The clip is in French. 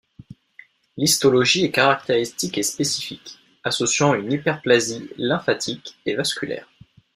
L'histologie est caractéristique et spécifique, associant une hyperplasie lymphatique et vasculaire.